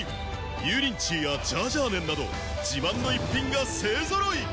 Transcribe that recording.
油淋鶏やジャージャー麺など自慢の逸品が勢揃い！